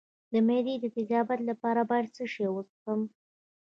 د معدې د تیزابیت لپاره باید څه شی وڅښم؟